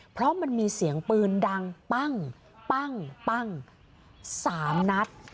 เพราะมันมีเสียงปืนดังปั้งปั้งปั้ง๓นัด